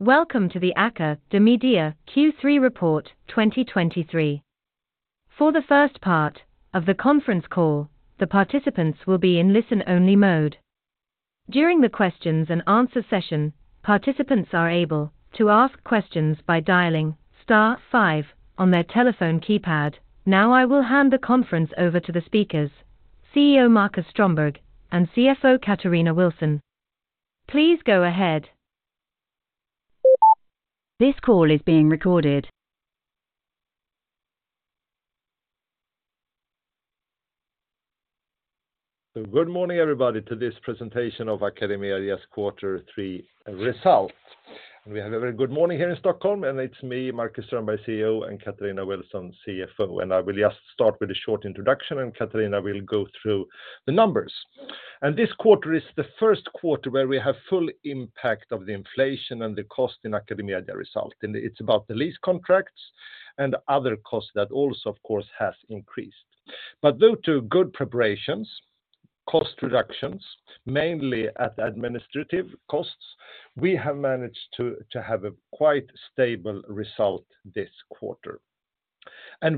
Welcome to the AcadeMedia Q3 report 2023. For the first part of the conference call, the participants will be in listen-only mode. During the questions and answer session, participants are able to ask questions by dialing star five on their telephone keypad. Now, I will hand the conference over to the speakers, CEO Marcus Strömberg and CFO Katarina Wilson. Please go ahead. This call is being recorded. Good morning, everybody, to this presentation of AcadeMedia's quarter three result. We have a very good morning here in Stockholm, and it's me, Marcus Strömberg, CEO, and Katarina Wilson, CFO. I will just start with a short introduction, and Katarina will go through the numbers. This quarter is the first quarter where we have full impact of the inflation and the cost in AcadeMedia result. It's about the lease contracts and other costs that also, of course, has increased. Due to good preparations, cost reductions, mainly at administrative costs, we have managed to have a quite stable result this quarter.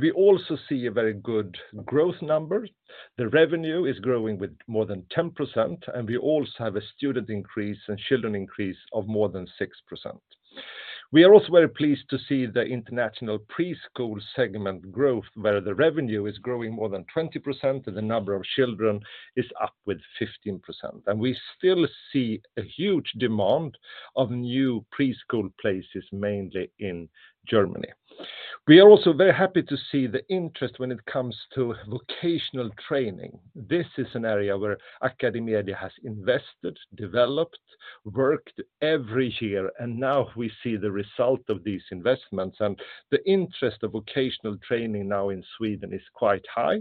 We also see a very good growth number. The revenue is growing with more than 10%, and we also have a student increase and children increase of more than 6%. We are also very pleased to see the international preschool segment growth, where the revenue is growing more than 20% and the number of children is up with 15%. We still see a huge demand of new preschool places, mainly in Germany. We are also very happy to see the interest when it comes to vocational training. This is an area where AcadeMedia has invested, developed, worked every year, and now we see the result of these investments. The interest of vocational training now in Sweden is quite high,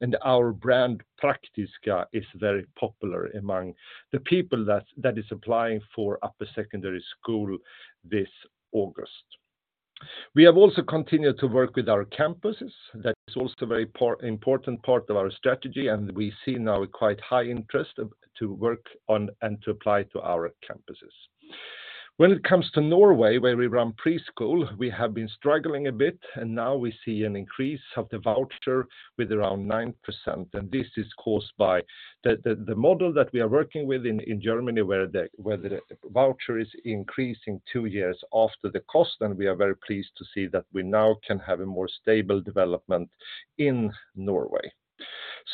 and our brand, Praktiska, is very popular among the people that is applying for upper secondary school this August. We have also continued to work with our campuses. That is also a very important part of our strategy. We see now a quite high interest to work on and to apply to our campuses. When it comes to Norway, where we run preschool, we have been struggling a bit. Now we see an increase of the voucher with around 9%. This is caused by the model that we are working with in Germany where the voucher is increasing two years after the cost, and we are very pleased to see that we now can have a more stable development in Norway.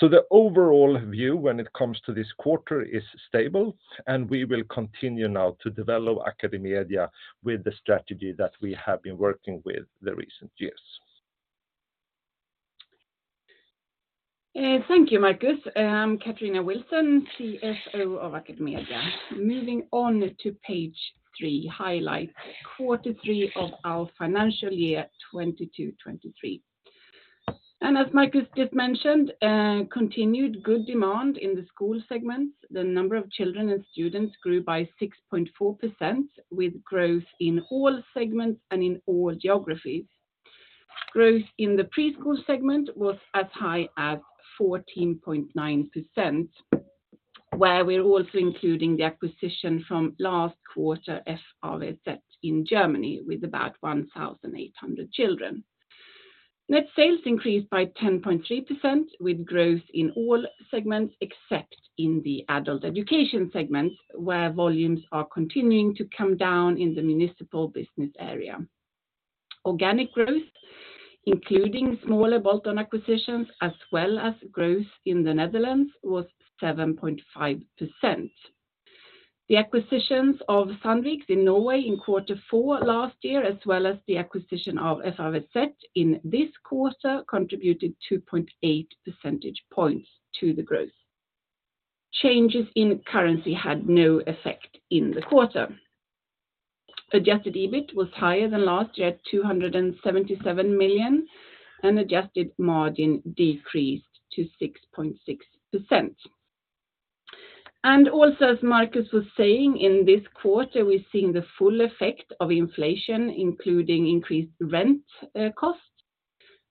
The overall view when it comes to this quarter is stable, and we will continue now to develop AcadeMedia with the strategy that we have been working with the recent years. Thank you, Marcus. I'm Katarina Wilson, CFO of AcadeMedia. Moving on to page three, highlights, quarter three of our financial year 2022-2023. As Marcus just mentioned, continued good demand in the school segments. The number of children and students grew by 6.4%, with growth in all segments and in all geographies. Growth in the preschool segment was as high as 14.9%, where we're also including the acquisition from last quarter, FAWZ, in Germany with about 1,800 children. Net sales increased by 10.3% with growth in all segments, except in the adult education segments, where volumes are continuing to come down in the municipal business area. Organic growth, including smaller bolt-on acquisitions, as well as growth in the Netherlands, was 7.5%. The acquisitions of Sandviks in Norway in quarter four last year, as well as the acquisition of FAWZ in this quarter, contributed 2.8% points to the growth. Changes in currency had no effect in the quarter. Adjusted EBIT was higher than last year at 277 million, and adjusted margin decreased to 6.6%. Also, as Marcus was saying, in this quarter, we're seeing the full effect of inflation, including increased rent cost.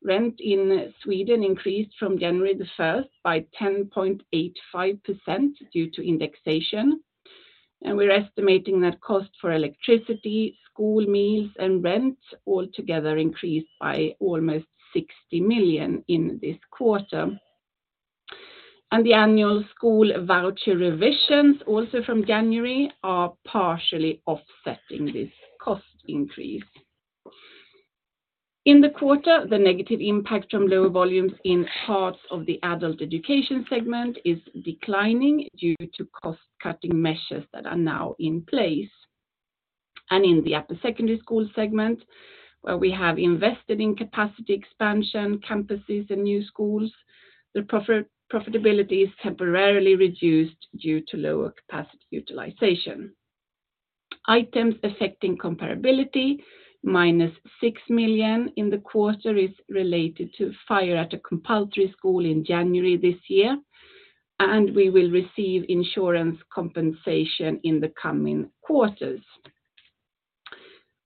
Rent in Sweden increased from January the 1st by 10.85% due to indexation. We're estimating that cost for electricity, school meals, and rent altogether increased by almost 60 million in this quarter. The annual school voucher revisions, also from January, are partially offsetting this cost increase. In the quarter, the negative impact from lower volumes in parts of the adult education segment is declining due to cost-cutting measures that are now in place. In the upper secondary school segment, where we have invested in capacity expansion, campuses, and new schools, the profitability is temporarily reduced due to lower capacity utilization. Items affecting comparability, - 6 million in the quarter is related to fire at a compulsory school in January this year, and we will receive insurance compensation in the coming quarters.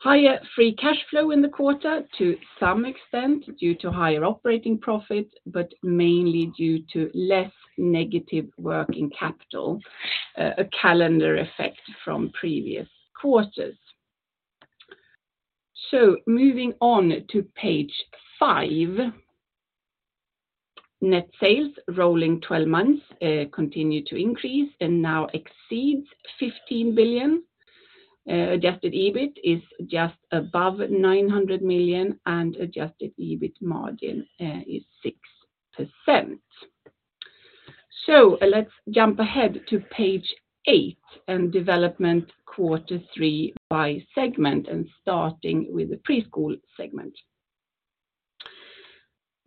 Higher free cash flow in the quarter to some extent due to higher operating profit, but mainly due to less negative working capital, a calendar effect from previous quarters. Moving on to page five. Net sales rolling 12 months continue to increase and now exceeds 15 billion. Adjusted EBIT is just above 900 million, and Adjusted EBIT margin is 6%. Let's jump ahead to page eight and development quarter three by segment and starting with the preschool segment.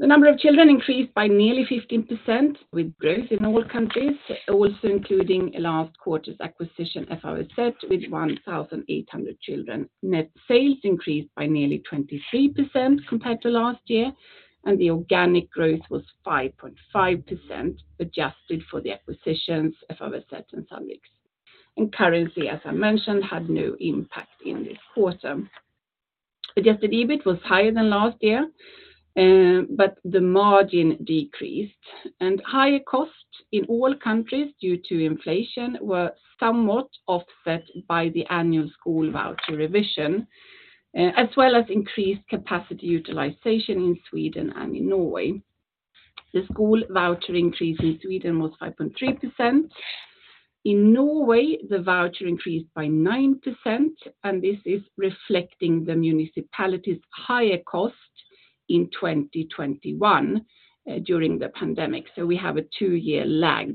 The number of children increased by nearly 15% with growth in all countries, also including last quarter's acquisition, FAWZ, with 1,800 children. Net sales increased by nearly 23% compared to last year, and the organic growth was 5.5% adjusted for the acquisitions of FAWZ and Sandvik. Currency, as I mentioned, had no impact in this quarter. Adjusted EBIT was higher than last year, but the margin decreased. Higher costs in all countries due to inflation were somewhat offset by the annual school voucher revision, as well as increased capacity utilization in Sweden and in Norway. The school voucher increase in Sweden was 5.3%. In Norway, the voucher increased by 9%, and this is reflecting the municipality's higher cost in 2021 during the pandemic. We have a two-year lag.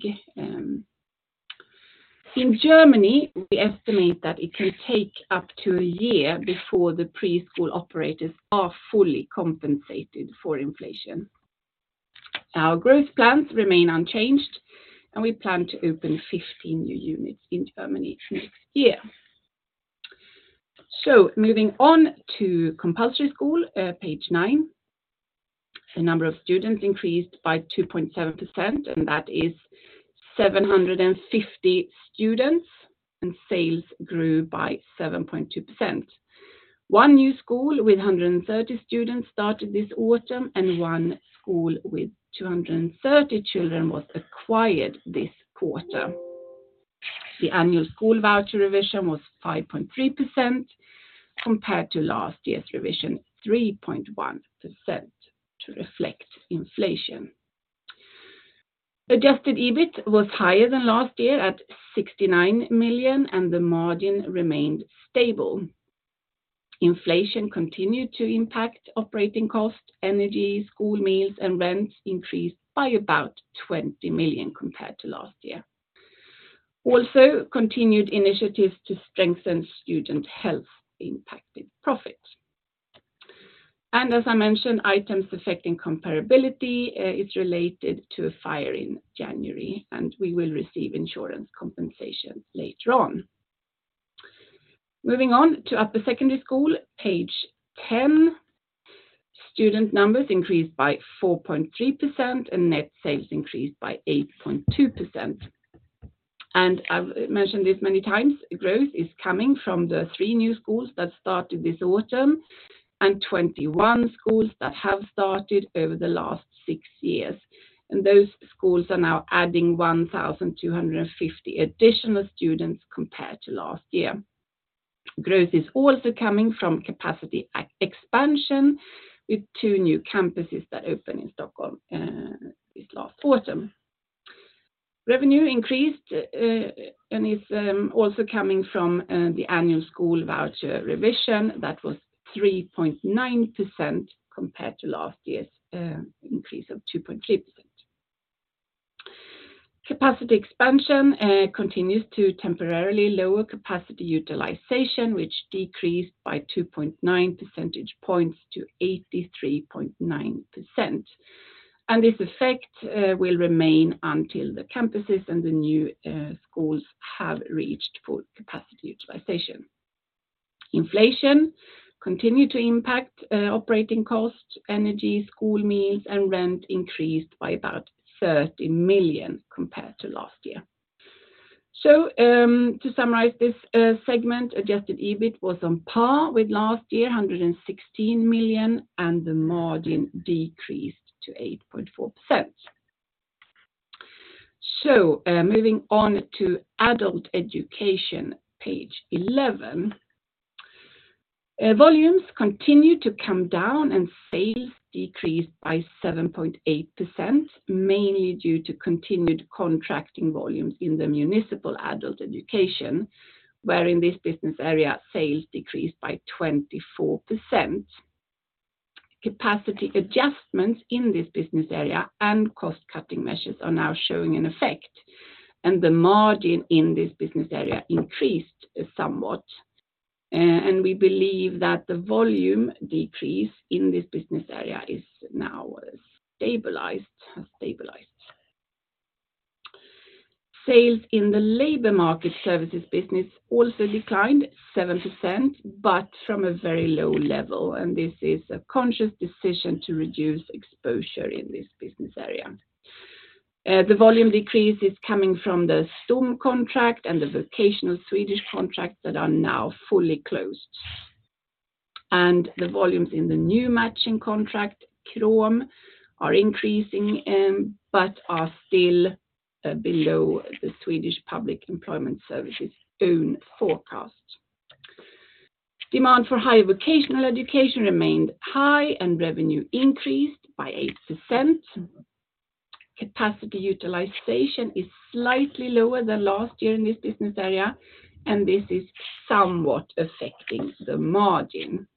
In Germany, we estimate that it will take up to a year before the preschool operators are fully compensated for inflation. Our growth plans remain unchanged, and we plan to open 15 new units in Germany next year. Moving on to compulsory school, page nine. The number of students increased by 2.7%, and that is 750 students, and sales grew by 7.2%. One new school with 130 students started this autumn, and one school with 230 children was acquired this quarter. The annual school voucher revision was 5.3% compared to last year's revision, 3.1%, to reflect inflation. Adjusted EBIT was higher than last year at 69 million. The margin remained stable. Inflation continued to impact operating costs. Energy, school meals, and rents increased by about 20 million compared to last year. Also, continued initiatives to strengthen student health impacted profit. As I mentioned, items affecting comparability is related to a fire in January, and we will receive insurance compensation later on. Moving on to upper secondary school, page 10. Student numbers increased by 4.3%. Net sales increased by 8.2%. I've mentioned this many times, growth is coming from the three new schools that started this autumn and 21 schools that have started over the last six years. Those schools are now adding 1,250 additional students compared to last year. Growth is also coming from capacity expansion with two new campuses that opened in Stockholm this last autumn. Revenue increased and is also coming from the annual school voucher revision. That was 3.9% compared to last year's increase of 2.3%. Capacity expansion continues to temporarily lower capacity utilization, which decreased by 2.9% - 83.9%. This effect will remain until the campuses and the new schools have reached full capacity utilization. Inflation continued to impact operating costs. Energy, school meals, and rent increased by about 30 million compared to last year. To summarize this segment, Adjusted EBIT was on par with last year, 116 million, and the margin decreased to 8.4%. Moving on to adult education, page 11. Volumes continued to come down, and sales decreased by 7.8%, mainly due to continued contracting volumes in the municipal adult education, where in this business area, sales decreased by 24%. Capacity adjustments in this business area and cost-cutting measures are now showing an effect, and the margin in this business area increased somewhat. We believe that the volume decrease in this business area is now stabilized. Sales in the labor market services business also declined 7%, but from a very low level, and this is a conscious decision to reduce exposure in this business area. The volume decrease is coming from the Storm contract and the vocational Swedish contracts that are now fully closed. The volumes in the new matching contract, KROM, are increasing, but are still below the Swedish Public Employment Service's own forecast. Demand for higher vocational education remained high and revenue increased by 8%. Capacity utilization is slightly lower than last year in this business area, and this is somewhat affecting the margin.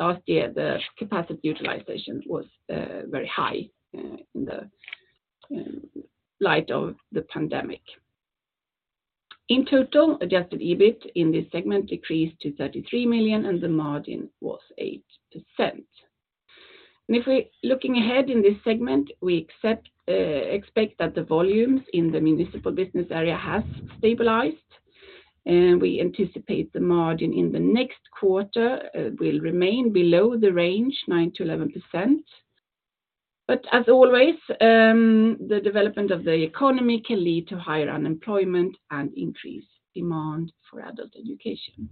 Last year, the capacity utilization was very high in the light of the pandemic. In total, Adjusted EBIT in this segment decreased to 33 million, and the margin was 8%. Looking ahead in this segment, we accept, expect that the volumes in the municipal business area has stabilized, and we anticipate the margin in the next quarter will remain below the range 9%-11%. As always, the development of the economy can lead to higher unemployment and increased demand for adult education.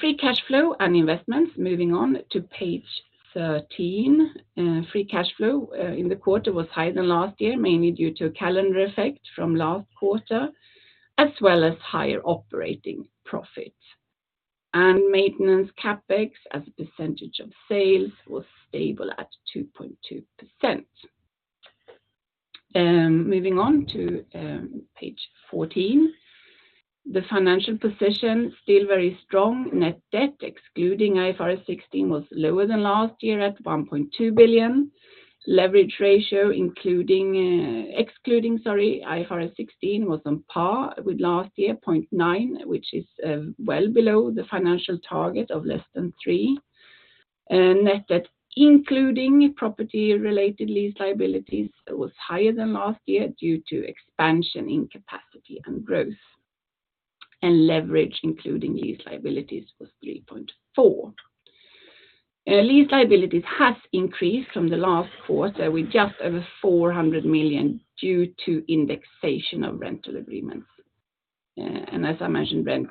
Free cash flow and investments, moving on to page 13. Free cash flow in the quarter was higher than last year, mainly due to a calendar effect from last quarter, as well as higher operating profits. Maintenance CapEx as a percentage of sales was stable at 2.2%. Moving on to page 14. The financial position still very strong. Net debt, excluding IFRS 16, was lower than last year at 1.2 billion. Leverage ratio, including, excluding, sorry, IFRS 16, was on par with last year, 0.9, which is well below the financial target of less than three. Net debt including property-related lease liabilities was higher than last year due to expansion in capacity and growth. Leverage, including lease liabilities, was 3.4. Lease liabilities has increased from the last quarter with just over 400 million due to indexation of rental agreements. As I mentioned, rent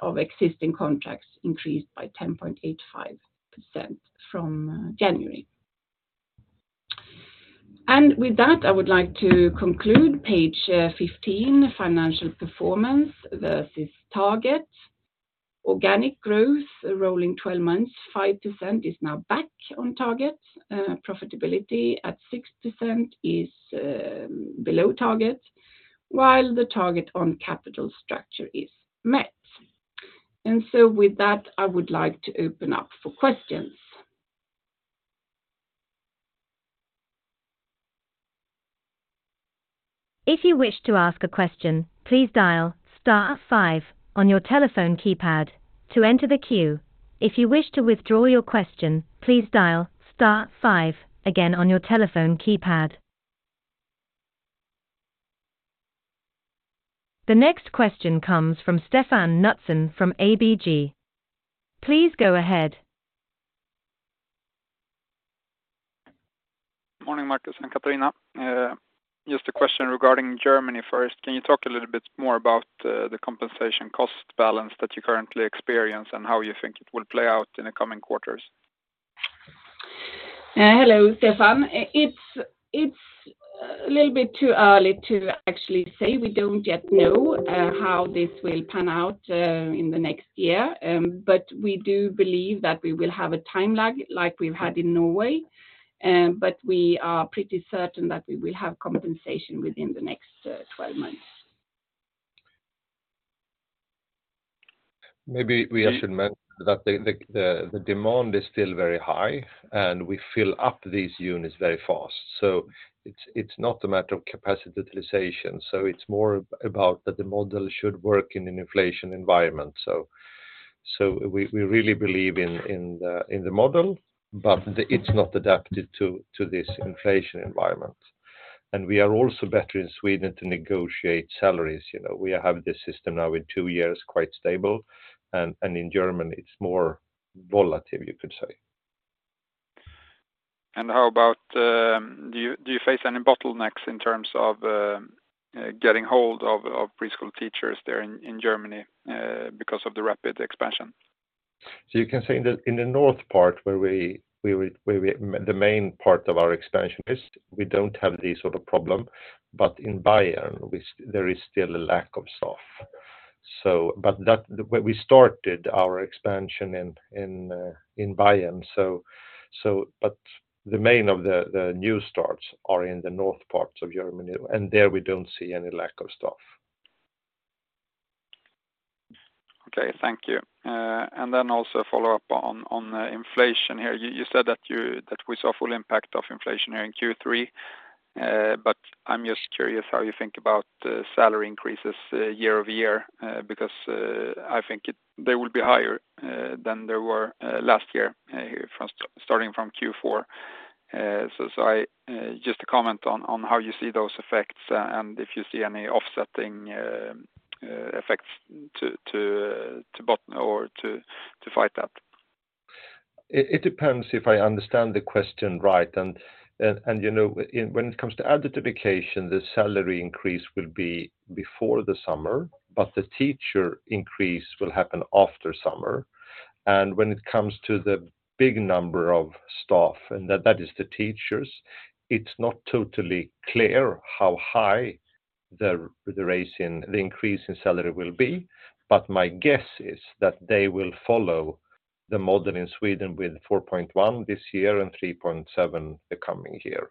of existing contracts increased by 10.85% from January. With that, I would like to conclude page 15, financial performance versus target. Organic growth, rolling 12 months, 5% is now back on target. Profitability at 6% is below target, while the target on capital structure is met. With that, I would like to open up for questions. If you wish to ask a question, please dial star five on your telephone keypad to enter the queue. If you wish to withdraw your question, please dial star five again on your telephone keypad. The next question comes from Stefan Knutsson from ABG. Please go ahead. Morning, Marcus and Katarina. Just a question regarding Germany first. Can you talk a little bit more about the compensation cost balance that you currently experience and how you think it will play out in the coming quarters? Hello, Stefan. It's a little bit too early to actually say. We don't yet know how this will pan out in the next year. We do believe that we will have a time lag like we've had in Norway. We are pretty certain that we will have compensation within the next 12 months. Maybe we should mention that the demand is still very high, and we fill up these units very fast. It's not a matter of capacity utilization. It's more about that the model should work in an inflation environment. We are also better in Sweden to negotiate salaries. You know, we have this system now in two years quite stable. In Germany, it's more volatile, you could say. How about, do you face any bottlenecks in terms of, getting hold of preschool teachers there in Germany, because of the rapid expansion? You can say in the, in the north part where we the main part of our expansion is we don't have this sort of problem. In Bayern, we there is still a lack of staff. We started our expansion in Bayern, but the main of the new starts are in the north parts of Germany. There, we don't see any lack of staff. Okay, thank you. Then also a follow-up on inflation here. You said that we saw full impact of inflation here in Q3. I'm just curious how you think about the salary increases year- over -year because I think they will be higher than they were last year starting from Q4. Just a comment on how you see those effects and if you see any offsetting effects to bottom or to fight that. It depends if I understand the question right. You know, when it comes to adult education, the salary increase will be before the summer, but the teacher increase will happen after summer. When it comes to the big number of staff, and that is the teachers, it's not totally clear how high the increase in salary will be. My guess is that they will follow the model in Sweden with 4.1% this year and 3.7% the coming year.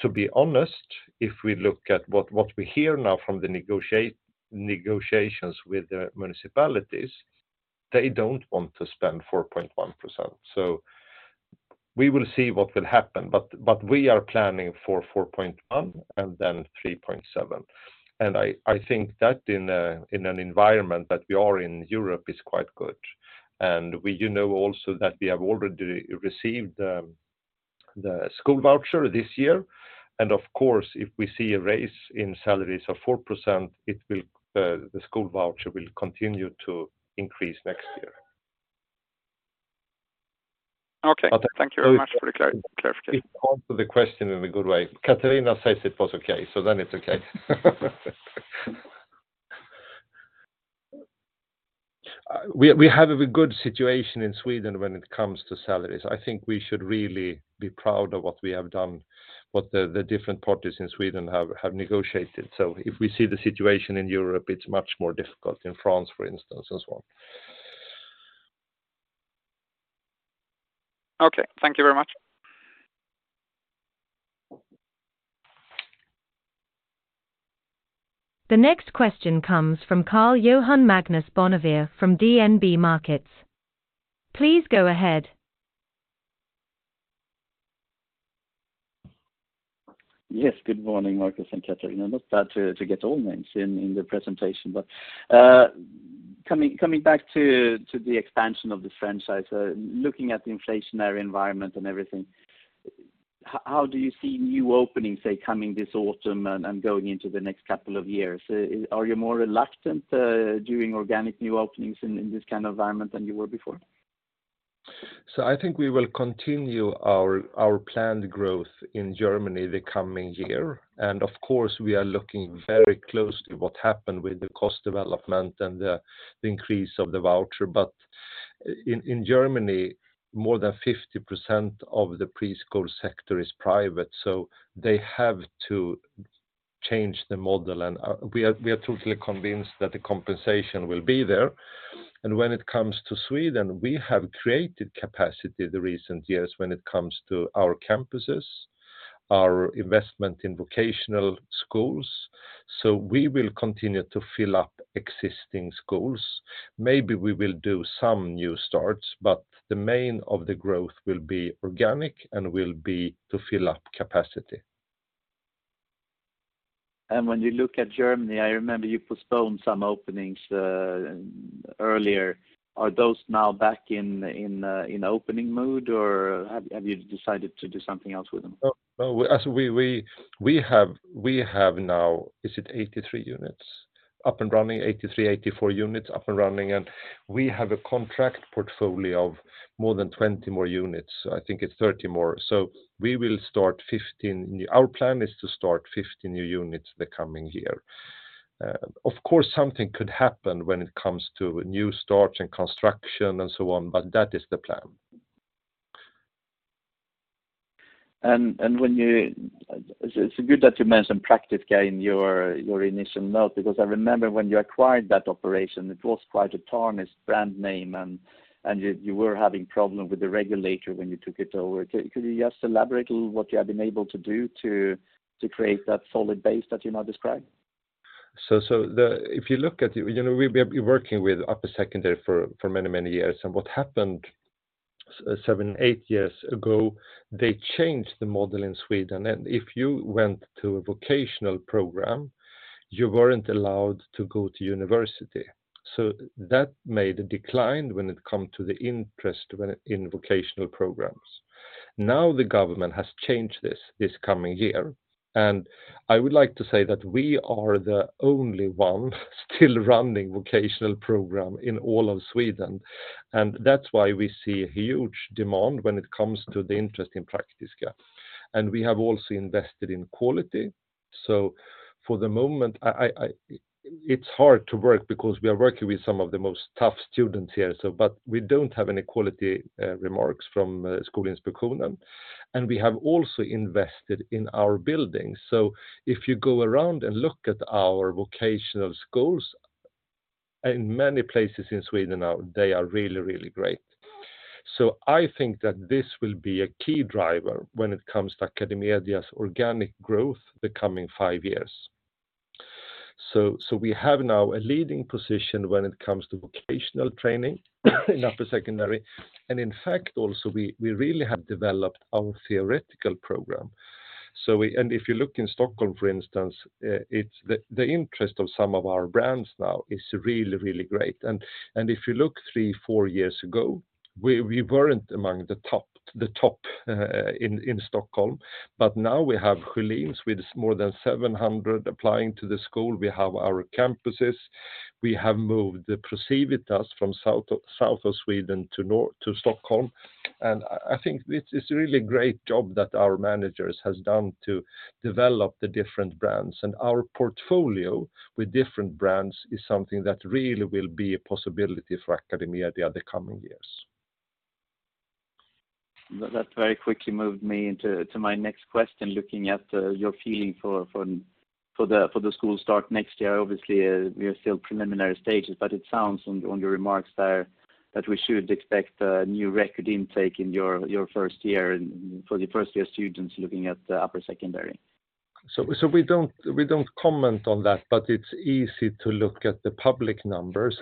To be honest, if we look at what we hear now from the negotiations with the municipalities, they don't want to spend 4.1%. We will see what will happen. We are planning for 4.1% and then 3.7%. I think that in an environment that we are in Europe is quite good. We you know also that we have already received the school voucher this year. Of course, if we see a raise in salaries of 4%, it will, the school voucher will continue to increase next year. Okay. But- Thank you very much for the clarification. If I answered the question in a good way. Katarina says it was okay, so then it's okay. We have a good situation in Sweden when it comes to salaries. I think we should really be proud of what we have done, what the different parties in Sweden have negotiated. If we see the situation in Europe, it's much more difficult in France, for instance, as well. Okay. Thank you very much. The next question comes from Karl-Johan Bonnevier from DNB Markets. Please go ahead. Yes. Good morning, Marcus and Katarina. Not bad to get all names in the presentation. Coming back to the expansion of the franchise, looking at the inflationary environment and everything, how do you see new openings, say, coming this autumn and going into the next couple of years? Are you more reluctant doing organic new openings in this kind of environment than you were before? I think we will continue our planned growth in Germany the coming year. Of course, we are looking very closely what happened with the cost development and the increase of the voucher. In Germany, more than 50% of the preschool sector is private, so they have to change the model. We are totally convinced that the compensation will be there. When it comes to Sweden, we have created capacity the recent years when it comes to our campuses, our investment in vocational schools, so we will continue to fill up existing schools. Maybe we will do some new starts, but the main of the growth will be organic and will be to fill up capacity. When you look at Germany, I remember you postponed some openings, earlier. Are those now back in opening mode, or have you decided to do something else with them? No. No. As we have now... Is it 83 units up and running? 83, 84 units up and running. We have a contract portfolio of more than 20 more units. I think it's 30 more. We will start 15 new... Our plan is to start 50 new units the coming year. Of course, something could happen when it comes to new starts and construction and so on, but that is the plan. It's good that you mentioned Praktiska in your initial note because I remember when you acquired that operation, it was quite a tarnished brand name, and you were having problem with the regulator when you took it over. Could you just elaborate on what you have been able to do to create that solid base that you now describe? If you look at, you know, we've working with upper secondary for many, many years. What happened seven, eight years ago, they changed the model in Sweden. If you went to a vocational program, you weren't allowed to go to university. That made a decline when it come to the interest in vocational programs. Now the government has changed this coming year. I would like to say that we are the only one still running vocational program in all of Sweden, and that's why we see huge demand when it comes to the interest in Praktiska. We have also invested in quality. For the moment I... It's hard to work because we are working with some of the most tough students here. We don't have any quality remarks from Skolinspektionen. We have also invested in our buildings. If you go around and look at our vocational schools, in many places in Sweden now, they are really, really great. I think that this will be a key driver when it comes to AcadeMedia's organic growth the coming five years. We have now a leading position when it comes to vocational training in upper secondary. In fact, also we really have developed our theoretical program. If you look in Stockholm, for instance, it's the interest of some of our brands now is really, really great. If you look three, four years ago, we weren't among the top in Stockholm, but now we have Sjölins with more than 700 applying to the school. We have our campuses. We have moved the ProCivitas from south of Sweden to Stockholm. I think it's a really great job that our managers has done to develop the different brands. Our portfolio with different brands is something that really will be a possibility for AcadeMedia the coming years. That very quickly moved me into my next question, looking at your feeling for the school start next year. Obviously, we are still preliminary stages, it sounds on your remarks there that we should expect a new record intake in your first year and for the first-year students looking at upper secondary. We don't comment on that, but it's easy to look at the public numbers.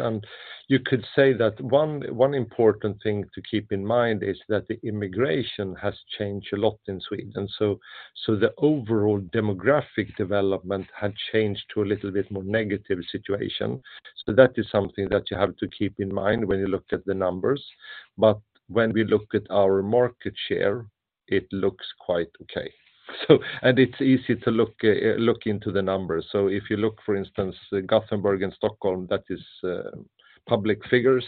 You could say that one important thing to keep in mind is that the immigration has changed a lot in Sweden, so the overall demographic development had changed to a little bit more negative situation. That is something that you have to keep in mind when you look at the numbers. When we look at our market share, it looks quite okay. It's easy to look into the numbers. If you look, for instance, Gothenburg and Stockholm, that is public figures,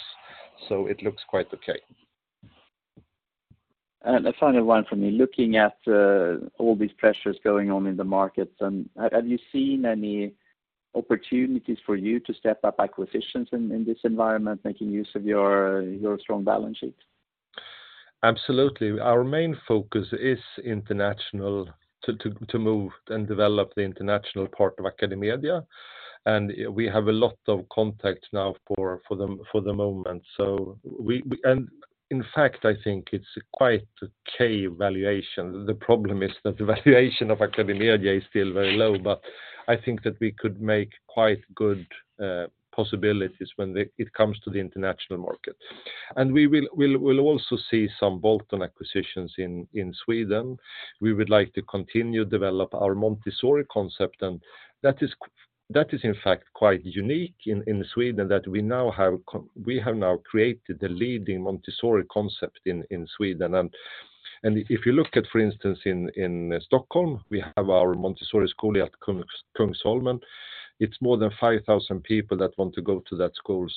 so it looks quite okay. A final one from me. Looking at all these pressures going on in the markets, and have you seen any opportunities for you to step up acquisitions in this environment, making use of your strong balance sheet? Absolutely. Our main focus is international to move and develop the international part of AcadeMedia. We have a lot of contacts now for the moment. In fact, I think it's quite a key valuation. The problem is that the valuation of AcadeMedia is still very low, but I think that we could make quite good possibilities when it comes to the international market. We will also see some bolt-on acquisitions in Sweden. We would like to continue develop our Montessori concept, and that is in fact quite unique in Sweden that we have now created the leading Montessori concept in Sweden. If you look at, for instance, in Stockholm, we have our Montessori school at Kungsholmen. It's more than 5,000 people that want to go to that school.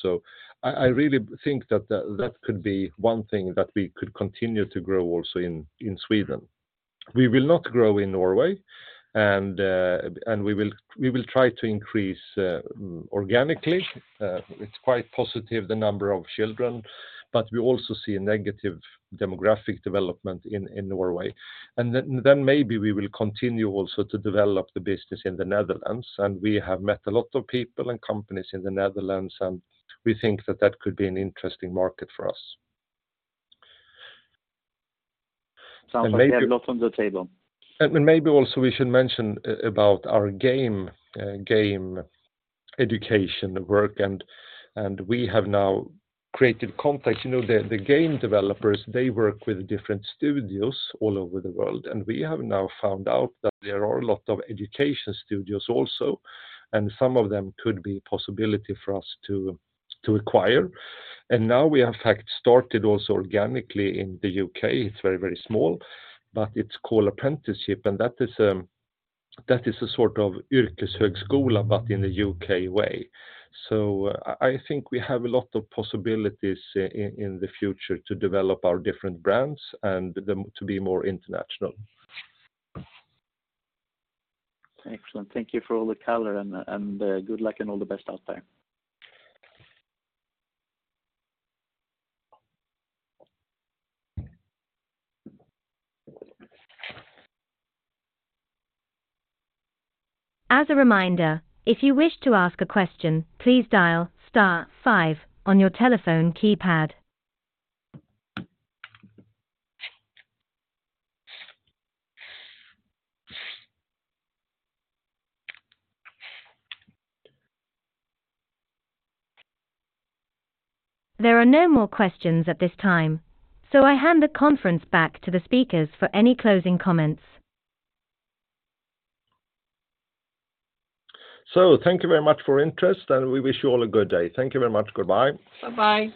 I really think that that could be one thing that we could continue to grow also in Sweden. We will not grow in Norway, and we will try to increase organically. It's quite positive, the number of children, but we also see a negative demographic development in Norway. Then maybe we will continue also to develop the business in the Netherlands. We have met a lot of people and companies in the Netherlands, and we think that that could be an interesting market for us. Sounds like you have a lot on the table. Maybe also we should mention about our game education work and we have now created contacts. You know, the game developers, they work with different studios all over the world, and we have now found out that there are a lot of education studios also, and some of them could be possibility for us to acquire. Now we in fact started also organically in the U.K. It's very small, but it's called Apprenticeship, and that is a sort of Yrkeshögskola but in the U.K. way. I think we have a lot of possibilities in the future to develop our different brands and them to be more international. Excellent. Thank you for all the color and good luck and all the best out there. As a reminder, if you wish to ask a question, please dial star five on your telephone keypad. There are no more questions at this time, so I hand the conference back to the speakers for any closing comments. Thank you very much for interest, and we wish you all a good day. Thank you very much. Goodbye. Bye-bye.